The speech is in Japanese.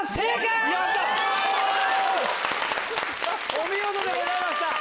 お見事でございました！